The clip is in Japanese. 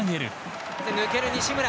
抜ける西村。